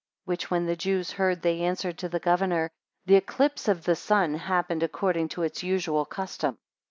10 Which when the Jews heard, they answered to the governor, The eclipse of the sun happened according to its usual custom.